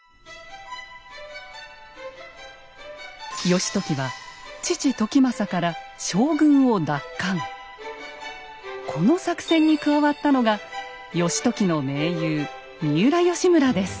義時は父・時政からこの作戦に加わったのが義時の盟友三浦義村です。